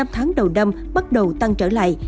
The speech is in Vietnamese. năm tháng đầu năm bắt đầu tăng trở lại